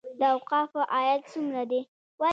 د اوقافو عاید څومره دی؟